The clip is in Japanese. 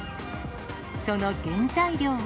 その原材料は。